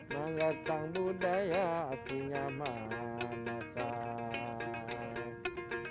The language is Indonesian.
mengerti budaya hatinya manasai